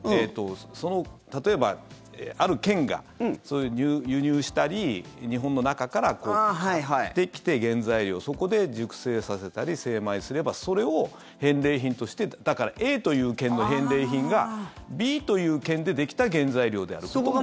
例えば、ある県が輸入したり日本の中から買ってきて、原材料そこで熟成させたり精米すればそれを返礼品としてだから、Ａという県の返礼品がＢという県でできた原材料であることもあると。